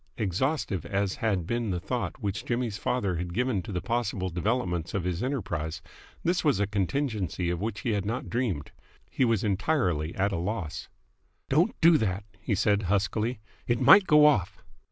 Exhaustive as had been the thought which Jimmy's father had given to the possible developments of his enterprise, this was a contingency of which he had not dreamed. He was entirely at a loss. "Don't do that!" he said huskily. "It might go off!"